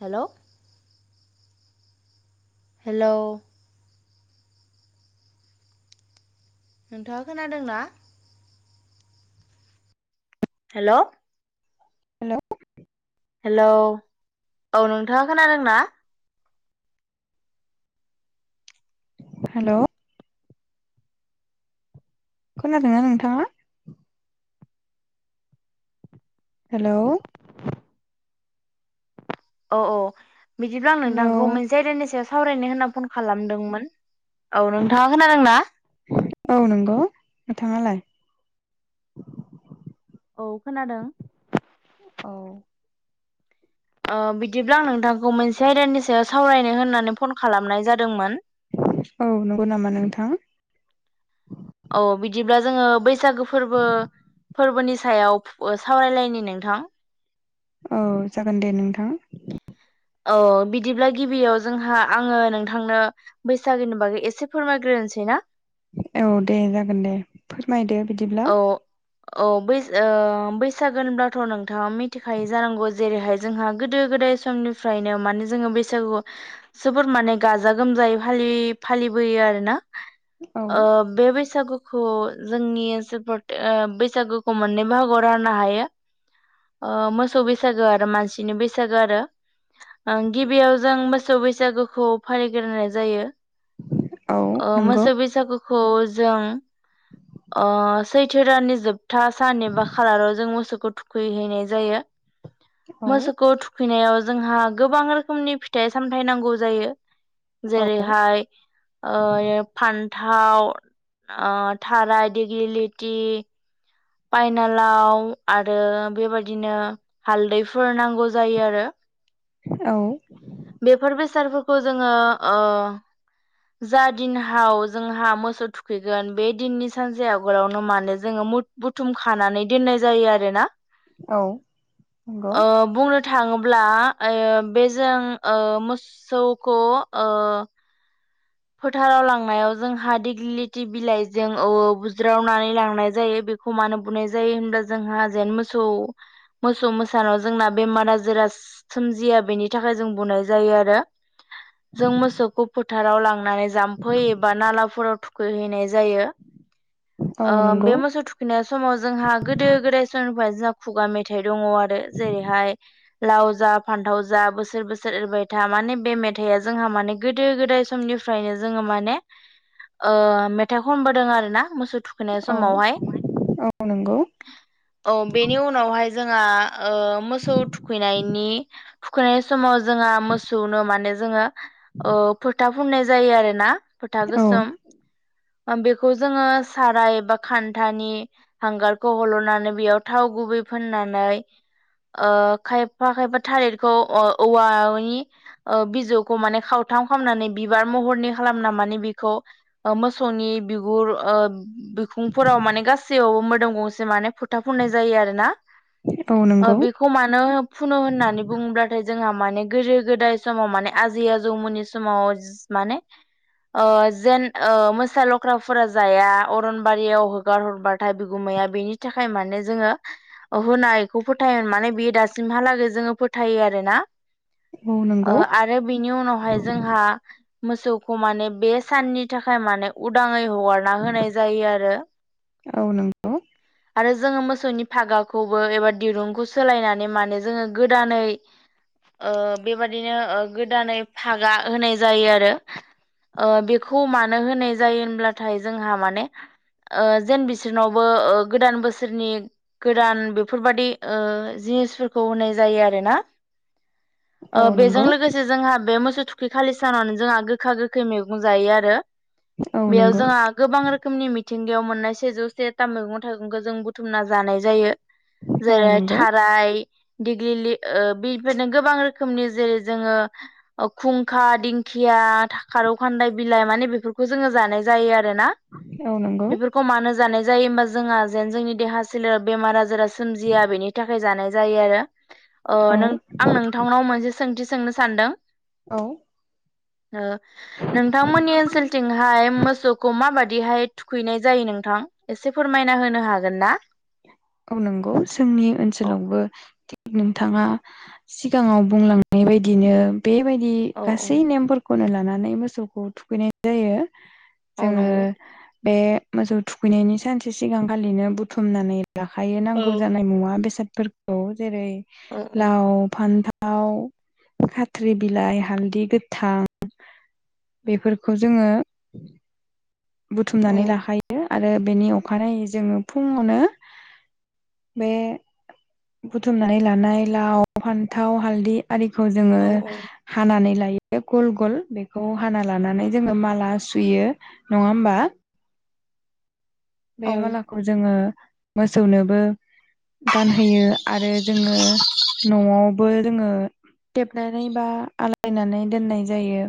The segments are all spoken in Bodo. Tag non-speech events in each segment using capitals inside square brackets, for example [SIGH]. हेल' हेल' नोंथाङा खोनादोंना हेल' हेलौ। हेलौ औ नोंथाङा खोनादोंना? हेलौ। खोनादों ना नोंथाङा? हेलौ। औ औ बिदिब्ला आं हेलौ नोंथांखौ मोनसे जायदानि सायाव सावरायनो होनना फन खालामदोंमोन औ नोंथाङा खोनादोंना? औ नंगौ नोंथाङालाय। औ खोनादों। औ बिदिब्ला आं नोंथांखौ मोनसे आयदानि सायाव सावरायनो होननानै फन खालामनाय जादोंमोन। औ नंगौ नामा नोंथां? औ बिदिब्ला जोङो बैसागो फोरबो फोरबोनि सायाव सावरायलायनि नोंथां। औ जागोन दे नोंथां। औ बिदिब्ला गिबियाव जोंहा आङो नोंथांनो बैसागोनि बागै एसे फोरमायग्रोसै ना। औ दे जागोन दे फोरमायदो बिदिब्ला। औ औ बैसागो होनब्लाथ' नोंथाङा मिथिखायो जानांगौ जेरैहाय जोंहा गोदो गोदाय समनिफ्रायनो माने जोङो बैसागु जोबोर माने गाजा गोमजायै फालि फालि बोयो आरोना औ ओ बे बैसागुखौ जोंनि बैसागोखौ मोननै बाहागोआव राननो हायो। ओ मोसौ बैसागो आरो मानसिनि बैसागो आरो। गिबियाव जों मोसौ बैसागोखौ फालिग्रोनाय जायो। औ नंगौ मोसौ बैसागुखौ जों सैथो दाननि जोबथा सान एबा खालाराव जों मोसौखौ थुखैहैनाय जायो। औ मोसौखौ थुखैनायाव ज जोंहा गोबां रोखोमनि फिथाइ सामथायाइ नांगौ जायो। औ जेरैहाय ओ फान्थाव ओ थराय डिग्रि लिटि। पायनालाव आरो बेबादिनो हालदैफोर नांगौ जायो आरो। औ। बेफोर बेसादफोरखौ जोङो ओं जा दिनहाव जोंहा मोसौ थुखैगोन बे दिननि सानसे आगोलावनो मानो जोङो बुथुम खानानै दोननाय जायो आरो ना। औ नंगौ ओ बुंनो थाङोब्ला बेजों ओ मोसौखौ ओ फोथाराव लांनायाव जोंहा दिग्लिलिथि बिलाइजों बुज्रावनानै लांनाय जायो। म बुनाय जायो जोंहा जेन मोसौ मोसानायाव जोंना बेमार आजार सोमजिया बेनि थाखाय जों बुंनाय जायो आरो जों मोसौखौ फोथाराव लांङो। लांनानै जाम्फै एबा नालाफोराव थुखैहैनाय जायो। औ ओ नंगौ बे मोसौ थुखैनाय समाव जोंहा गोदो गोदाय समनिफ्राय जोंहा खुगा मेथाइख दंङ आरो जेरैहाय लाव जा फान्थाव जा बोसोर बोसोर एरबाय था माने बे मेथाइआ जोंहा माने गोदो गोदाय समनि निफ्रायनो जोङो माने ओ मेथाइ खनबोदों आरोना मोसौ होनाय औ समावहाय औ नंगौ औ बेनि उनावहाय। जोंहा मोसौ थुखैनायनि थुखैनाय समाव जोंहा मोसौनो माने जोङो फोथा फुननाय जायो आरोना फोथा औ गोसोम। बेखौ जोङो साराय एबा खान्थानि हांगारखौ हल'नानै बेयाव थाव गुबै फोननानै। खायफा खायफा थालिरखौ औवानि बिजौखौ माने गाव थ खालामनानै बि बिबार महरनि खालामना माने बेखौ मोसौनि बिगुर ओ बिखुंफोराव मे माने गासैयावबो मोदोम गंसे माने फुथाफुननाय जायो आरोना। औ ओ नंगौ बेखौ मानो फुनो होननानै बुङोब्लाथाय जोंहा माने गोदो गोदाय समाव माने आजै आजौमोननि समाव माने ओ जेन ओ मोसा लख्राफोरा जाया अरनबारियाव हगार हरबाथाय बिगुमै या बेनि थाखाय माने जोङो होनायखौ फोथायोम माने बेयो दासिमहालागै जोङो फोथाय यो आरो ना औ ओ नंगौ आरो बेनि उनावहाय जोंहा मोसौखौ माने बे साननि थाखाय माने उदाङै हगारना होनाय जायो आरो। औ नंगौ। आरो जोङो मोसौनि फागाखौबो एबा दिरुंखौ सोलायनानै माने जोङो गोदानै ओ बेबादिनो गोदानै फागा होनाय जायो आरो। ओ बेखौ मानो होनाय जायो होनब्लाथाय जोंहा माने ओ जेन बिसोरनावबो गोदान बोसोरनि गोदान बेफोरबादि ओ जिनिसफोरखौ होनाय जायो आरोना। ओ औ नंगौ औ बेजों नंगौ लोगोसे जोंहा बे मोसौ थुखि खालि सानाव जोंहा गोखा गोखै मैगं जायो आरो। औ बेयाव नंगौ जोंहा गोबां रोखोमनि मिथिंगायाव मोननाय सेजौ से था मैगं थाइगंखौ जों बुथुमना जानाय जायो औ जेरै थाराय दिग्लिलिओ बिफोरनो गोबां रोखोमनि जेरै जोङो खुंखा दिंखिया खारौ खान्दाय बिलाइ माने बेफोरखौ जोङो जानाय जायो आरो आरोना नंगौ बेफोरखौ मानो जानाय जायो होमबा जोंहा जेन जोंनि देहा सोलेर बेमार आजारा सोमजिया बेनि थाखाय जानाय जायो आरो। ओ औ नों आं नोंथांनाव मोनसे सोंथि सोंनो सानदों। औ ओ नोंथांमोननि ओनसोलथिंहाय मोसौखौ माबा दिहाय थुखैनाय जायो नोंथां एसे फोरमायना होनो हागोन ना? औ नंगौ जोंनि औ ओनसोलावबो थिग नोंथाङा सिगाङाव बुंलांनाय बायदिनो बेबायदि औ औ गासै नेमफोरखौनो लाना नै मोसौखौ थुखैनाय जायो औ जोङो नंगौ बे मोसौ थुखैनायनि सानसे सिगां फालिनो बुथुमनानै लाखायो औ नांगौ जानाय मुवा बेसादफोरखौ जेरै औ औ लाव फान्थाव थाव खाथ्रि बिलाइ हालदै गोथां बेफोरखौ जोङो बुथुमनानै औ लाखायो। आरो बेनि अखानायै जोङो फुङावनो बे बुथुमनानै लानाय लाव फान्थाव हालदि आरिखौ जोङो औ हानानै लायो गल गल बेखौ हाना लानानै जोङो माला सुयो नङा होमबा बे औ मालाखौ जोङो मोसौनोबो गानहोयो आरो जोङो न'आवबो जोङो खेबनानै बा आलायनानै दोननाय जायो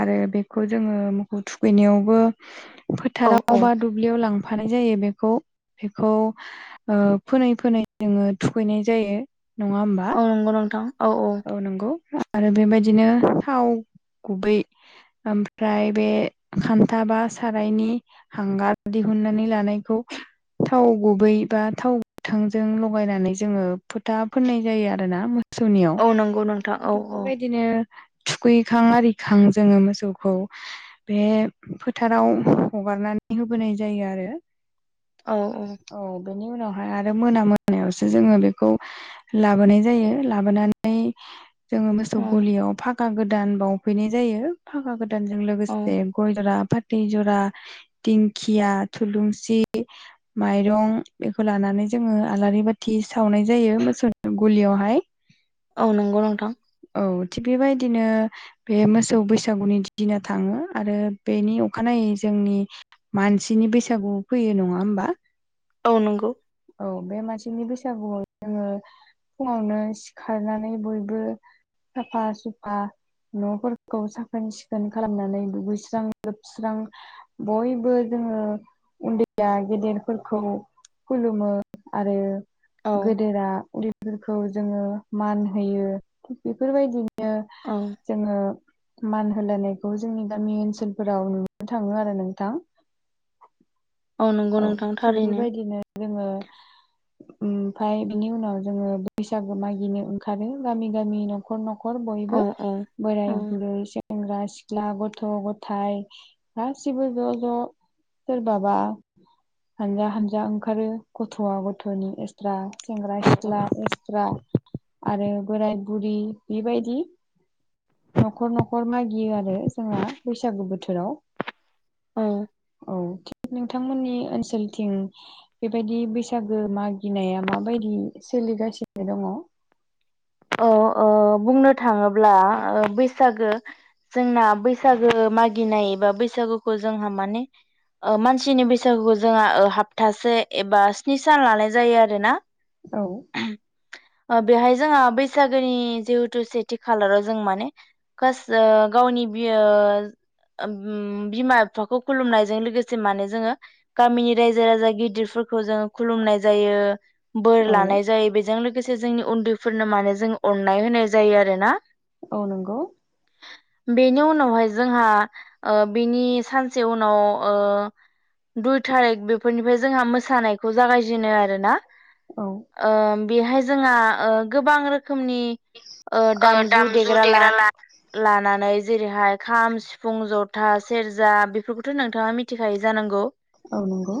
आरो बेखौ जोङो थु खैनायावबो औ फोथाराव औ बा दुब्लियाव लां फानाय जायो बेखौ बेखौ ओ फोनै फोनै जोङो थुखैनाय जायो। नङा होमबा औ नंगौ नोंथां। औ नंगौ आरो बेबायदिनो थाव गुबै ओमफ्राय बे खान्था बा सारायनि हांगार दि उनानै लानायखौ थाव गुबै बा थाव गोथांजों लगायनानै जोङो फोथा फोननाय जायो आरोना मोसौनि औ नंगौ नोंथां औ औ बेबायदिनो थुखैखां आरिखां जोङो मोसौखौ बे फोथाराव हगारना नानै होबोनाय जायो आरो औ बेनि उनाव ओमफ्राय आरो मोना मोनायावसो जोङो बेखौ लाबोनाय जायो लाबोनानै जोङो मोसौ गलियाव फागा गोदान बावफैनाय जायो फाखा गोदान औ लोगोसे गय जरा फा थै जरा दिंखिया थुलुंसि माइरं बेखौ लानानै जोङो आलारि बाथि सावनाय जायो मोसौ गलियावहाय औ नंगौ नोंथां औ थिग बेबायदिनो बे मोसौ बैसागुनि दिना थाङो आरो बेनि अखानायै जोंनि मानसिनि बैसागुआव फैयो नङा होमबा? औ नंगौ औ बे मानसिनि बैसागुआव जोङो फुङावनो सिखारनानै बयबो साफा सुफा न'फोरखौ साखोन सिखोन खालामनानै दुगैस्रां लोबस्रां बयबो जों [INAUDIBLE] उन्दै आ गेदेरफोरखौ खुलुमो आरो औ गेदेरा उन्दै खौ जोङो मान होयो थि बेफोरबायदिनो औ जोङो मान होलायनायखौ जोंनि गामि ओनसोलफोराव नुनो थाङो आरो नोंथां। नंगौ औ नोंथां थिग थारैनो बेबायदिनो जोङो ओमफाय बिनि उनाव जोङो बैसागो मागिनो ओंखारो गामि गामि न'खर न'ख न'खर औ बयबो औ बोराय औ बुरै से सेंग्रा सिख्ला गथ' गथाय गासिबो ज' ज' सोरबाबा हानजा हानजा ओंखारो गथ'आ गथ'नि एक्सट्रा सेंग्रा सिख्ला एस्रा आरो बोराय बुरि बेबायदि न'खर न'खर मागियो आरो जोंना बैसागु बोथोराव औ औ थिग नोंथांमोननि ओनसोलथिं बेबायदि बैसागो मागिनाया माबायदि बायायदि सोलिगासिनो दङ? औ बुंनो थाङोब्ला ओ बैसागो जोंना बैसागो मागिनाय बा बैसागुखौ जोंहा माने मानसिनि बैसागुखौ जोंहा हाबथासे एबा स्नि सान लानाय जायो आरो ना औ ओ बेहाय जोंहा बै सागोनि जिहेतु सेथि खालाराव जों माने गावनि बियो ओम बिमा बिफाखौ खुलुमनायजों लोगोसे माने जोङो गामिनि रायजो राजा गिदिरफोर फोरखौ जों खुलुमनाय जायो। बोर औ लानाय जायो बेजों लोगोसे जोंनि उन्दैफोरनो माने जों अननाय होनाय जायो आरो ना औ नंगौ बेनि उनावहाय जोंहा ओ बेनि सानसे उनाव ओ दुइ थारिख बेफोरनिफ्राय जोंहा मोसानायखौ जागायजेनो आरो ना औ ओ बेहाय जोंहा ओ गोबां रोखोमनि ओ दामजु देग्रा लानानै जेरैहाय खाम, सिफुं, जथा, सेरजा बेफोरखौथ' नोंथाङा मिथिखायो जानांगौ? औ नंगौ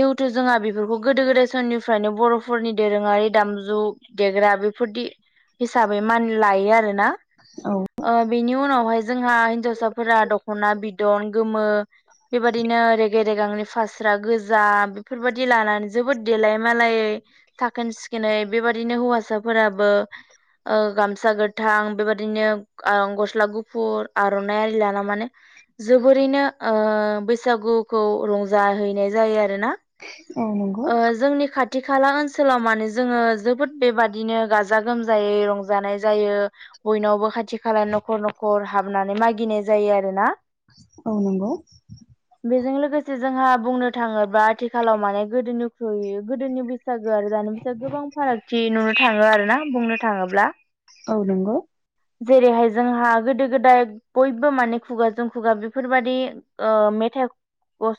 जिहेथु जोंहा बे बेफोरखौ गोदो गोदाय समनिफ्रायनो बर'फोरनि दोरोङारि दामजु देग्रा बेफोरदि हिसाबै मान लायो आरोना औ ओ बेनि उनावहाय जोंहा हिनजावसाफोरा दखना बिदन गोमो बेबायदिनो रेगे रेगांनि फास्रा गोजा बेफोरबायदि लानानै जोबोद देलाय मालायै साखोन सिखोनै बेबादिनो हौवासाफोराबो ओ गामसा गोथां बेबादिनो गस्ला गुफुर आर'नाइ आरि लाना माने जोबोरैनो ओ बैसागुखौ रंजाहैनाय जायो आरोना। औ नंगौ ओ जोंनि खाथि थि खाला ओनसोलाव माने जोङो जोबोद बेबादिनो गाजा गोमजायै रंजानाय जायो बयनावबो खाथि खाला नखर नखर हाबनानै मागिनाय जायो आरो ना। औ नंगौ। बेजों लोगोसे जोंहा बुंनो थाङोबा आथिखालाव माने गोदोनिख्रुय गोदोनि बैसागो आरो दानि फैस गोबां फारागथि नुनो थाङो आरो ना बुंनो थाङोब्ला। औ नोंगौ। जेरैहाय जोंहा गोदो-गोदाय बयबो माने खुगाजों खुगा बेफोरबायदि ओ मे थेग व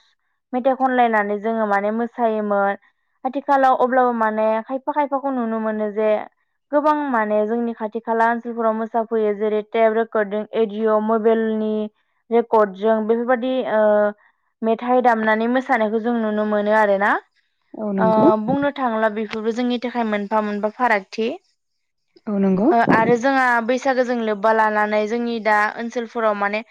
मेथाइ खनलायनानै जोङो माने मो सायोमोन आथिखालाव अब्लाबो माने खायफा खायफाखौ नुनो मोनो जे गोबां माने जोंनि खाथि खाला ओनसोलफोराव मोसाफैयो जेरै- टेप रेकरडिं, एडिय, मबेइल नि रेकर्डजों बेफोरबायदि ओ मेथाइ दामनानै मोसानायखौ जों नुनो मोनो आरो। ना औ ओ नंगौ बुंनो थांला बेफोरबो जोंनि थाखाय मोनफा मोनफा फारागथि। औ नंगौ ओ आरो जोंहा बै सागो जों लोब्बा लानानै जोंनि दा ओनसोलफोराव माने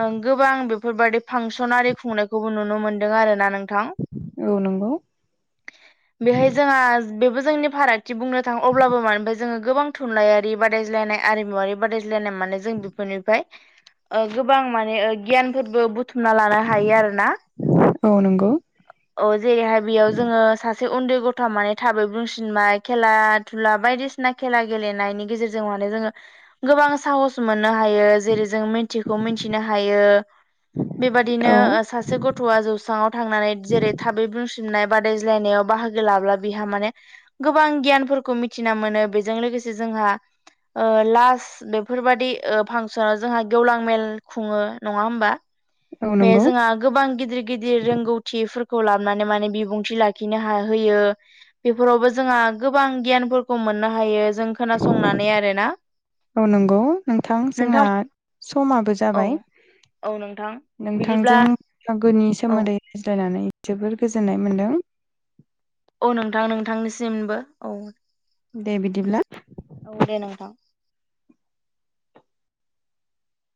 ओ गोबां बेफोरबायादि फांसन आरि खुंनायखौबो नुनो मोन्दों आरो ना नोंथां। औ नंगौ बेहाय जोंहा बेबो जोंनि फारागथि बुंनो थां अब्लाबो मानोफ्राय जोङो गोबां थुनलाइयारि बादायज्लायनाय आरिमुवारि बादायज्ला जेने माने जों बिफोरनिफ्राय ओ गोबां माने ओ गियानफोरबो बु थुमना लान हायो आरोना। औ नंगौ एहाय बेयाव जोङो सासे उन्दै गथा माने थाबै बुंसिनबाय खेला धुला बायदिसिना खेल ला गेलेनायनि गेजेरजों माने जोङो गोबां साहस मोन नो हायो जेरै जों मिथिखौ मिथिनो हायो। बेबादिनो औ ओ सासे गथ'आ जौस्राङाव थांनानै जेरै बुंसिबनाय बादायज्लायनायाव बाहागो लाब्ला बिहा माने गोबां गियानफोरखौ मिथिना मोनो बेजो जों लोगोसे जोंहा ओ लास्ट बेफोरबादि फांसनाव जोंहा गेवलां मेल खुङो नङा होमबा? औ बे नंगौ जोंहा गोबां गिदिर गिदिर रोंगौथिफोर खौ लाबनानै माने बिबुंथि लाखिनो हा होयो बेफोरावबो जोंहा गोबां गियानफोरखौ मोननो हायो जों खोनासंनानै आरोना। औ नोंगौ नोंथां जोंना नोंथां समाबो औ जाबाय। औ नोंथां बिदिब्ला नोंथांजों [UNINTELLIGIBLE] गोनि औ सोमोन्दै रायज्लायनानै जोबोर गोजोननाय मोनदों। औ नोंथां नोंथांनिसिमबो औ। दे बिदिब्ला औ दे नोंथां।